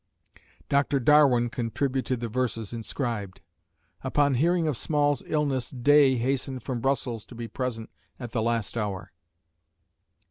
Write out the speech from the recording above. Dr. Darwin contributed the verses inscribed. Upon hearing of Small's illness Day hastened from Brussels to be present at the last hour.